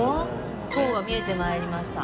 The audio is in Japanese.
塔が見えて参りました。